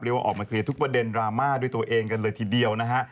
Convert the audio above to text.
ออกมาเคลียร์ทุกประเด็นดราม่าด้วยตัวเองกันเลยทีเดียวนะฮะ